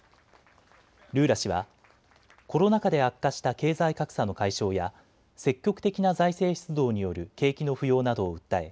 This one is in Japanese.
ルーラ氏はコロナ禍で悪化した経済格差の解消や積極的な財政出動による景気の浮揚などを訴え